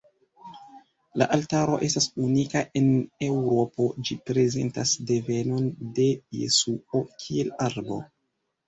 La altaro estas unika en Eŭropo, ĝi prezentas devenon de Jesuo, kiel arbo.